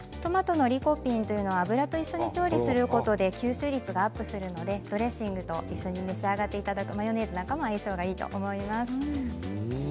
トマトのリコピンというのは油と一緒に調理をすることでが吸収率がアップしますのでドレッシングと一緒に食べていただくマヨネーズがいいと思います。